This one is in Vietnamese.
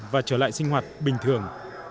và trở lại sinh hoạt bình thường